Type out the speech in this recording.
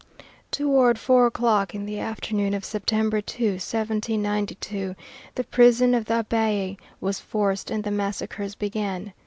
Toward four o'clock in the afternoon of September 2, 1792, the prison of the Abbaye was forced and the massacres began.